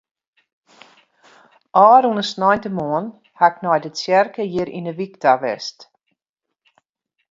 Ofrûne sneintemoarn haw ik nei de tsjerke hjir yn de wyk ta west.